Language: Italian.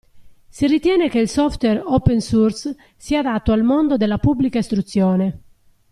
Si ritiene che il software open source sia adatto al mondo della Pubblica Istruzione.